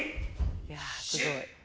いやすごい。